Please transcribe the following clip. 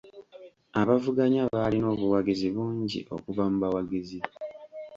Abavuganya baalina obuwagizi bungi okuvu mu bawagizi.